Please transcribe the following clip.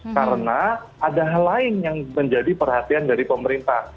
karena ada hal lain yang menjadi perhatian dari pemerintah